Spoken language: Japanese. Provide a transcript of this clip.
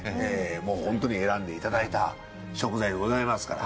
もうホントに選んでいただいた食材でございますから。